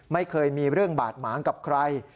ไม่เคยมีเรื่องบาดหมางกับใคร